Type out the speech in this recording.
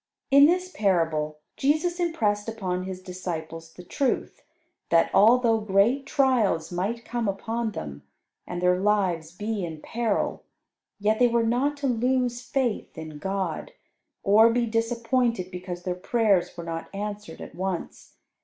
In this parable Jesus impressed upon his disciples the truth that, although great trials might come upon them, and their lives be in peril, yet they were not to lose faith in God, or be disappointed because their prayers were not answered at once.